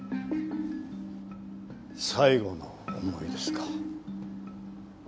最期の思いですか。